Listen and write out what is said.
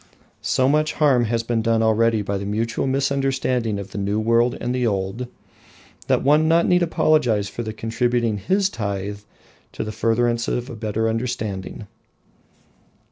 So much harm has been done already by the mutual misunderstanding of the New World and the Old, that one need not apologise for contributing his tithe to the furtherance of a better understanding.